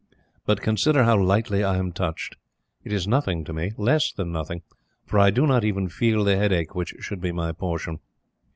But consider how lightly I am touched. It is nothing to me. Less than nothing; for I do not even feel the headache which should be my portion.